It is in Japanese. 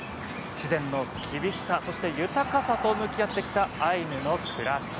自然の厳しさ、豊かさと向き合ってきたアイヌの暮らし。